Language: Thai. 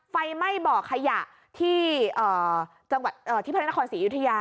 ไฟไหม้บ่อขยะที่จังหวัดที่พระนครศรีอยุธยา